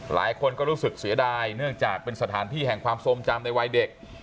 หลายคนก็รู้สึกเสียดายเนื่องจากเป็นสถานที่แห่งความทรงจำในวัยเด็ก